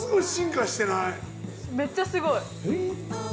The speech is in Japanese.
めっちゃスゴい。